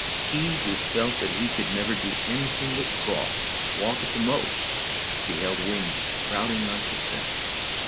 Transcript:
He who felt that he could never do anything but crawl, walk at the most, beheld wings sprouting on Cosette.